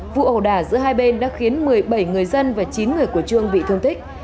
vụ ẩu đả giữa hai bên đã khiến một mươi bảy người dân và chín người của trương bị thương tích